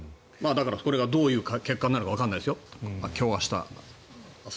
だから、これがどういう結果になるかわからないですよ。